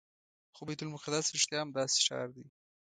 خو بیت المقدس رښتیا هم داسې ښار دی.